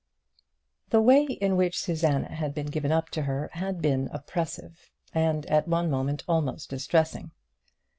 The way in which Susanna had been given up to her had been oppressive, and at one moment almost distressing.